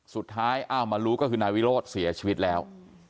อ้าวมารู้ก็คือนายวิโรธเสียชีวิตแล้ว